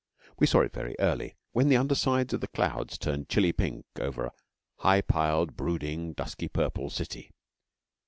We saw it very early, when the under sides of the clouds turned chilly pink over a high piled, brooding, dusky purple city.